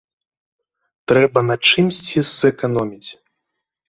Трэба на чымсьці зэканоміць.